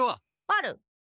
ある。